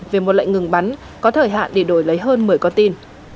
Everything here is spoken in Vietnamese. về một lệnh ngừng bắn có thời hạn để đổi lấy hơn một mươi con tin